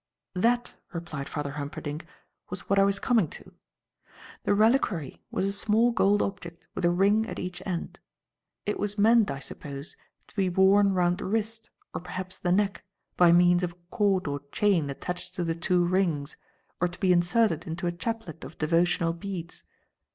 "That," replied Father Humperdinck, "was what I was coming to. The reliquary was a small gold object with a ring at each end. It was meant I suppose, to be worn round the wrist, or perhaps the neck, by means of a cord or chain attached to the two rings, or to be inserted into a chaplet of devotional beads.